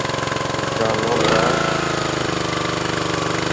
জানো না এর মানে মৃত্যু?